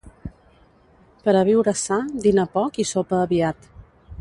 Per a viure sa, dina poc i sopa aviat.